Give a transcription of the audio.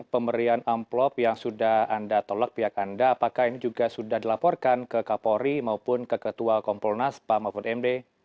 pemberian amplop yang sudah anda tolak pihak anda apakah ini juga sudah dilaporkan ke kapolri maupun ke ketua kompolnas pak mahfud md